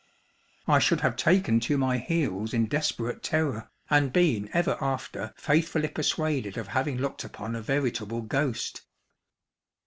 I should have taken to my heels in desperate terror, and been ever after faithfully persuaded of having looked upon a veritable ghost.